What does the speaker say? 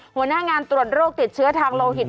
หัวหน้างานตรวจโรคติดเชื้อทางโลหิต